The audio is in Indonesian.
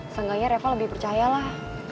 seenggaknya reva lebih percaya lah